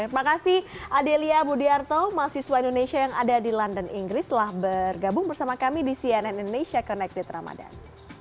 terima kasih adelia budiarto mahasiswa indonesia yang ada di london inggris telah bergabung bersama kami di cnn indonesia connected ramadan